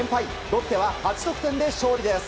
ロッテは８得点で勝利です。